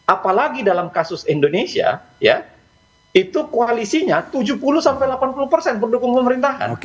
apalagi dalam kasus indonesia ya itu koalisinya tujuh puluh sampai delapan puluh persen pendukung pemerintahan